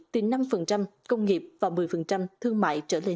từ năm công nghiệp và một mươi thương mại trở lên